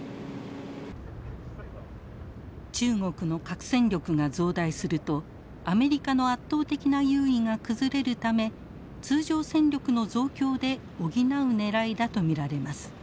中国の核戦力が増大するとアメリカの圧倒的な優位が崩れるため通常戦力の増強で補うねらいだと見られます。